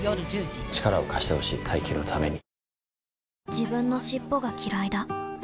自分の尻尾がきらいだ